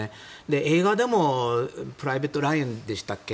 映画でも「プライベート・ライアン」でしたっけ